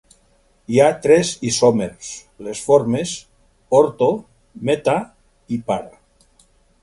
Hi ha tres isòmers: les formes "orto-", "meta-", i "para-".